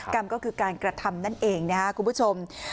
กรรมก็คือการกระทำนั่นเองนะครับคุณผู้ชม